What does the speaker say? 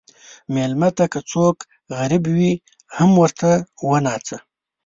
مېلمه ته که څوک غریب وي، هم ورته وناځه.